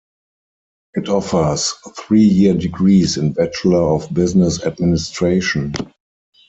It offers three year degrees in Bachelor of Business Administration.